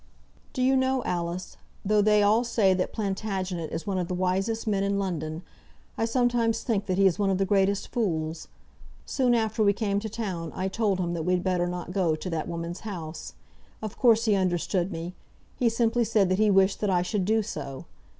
"Do you know, Alice, though they all say that Plantagenet is one of the wisest men in London, I sometimes think that he is one of the greatest fools. Soon after we came to town I told him that we had better not go to that woman's house. Of course he understood me. He simply said that he wished that I should do so.